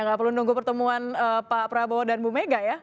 nggak perlu nunggu pertemuan pak prabowo dan bu mega ya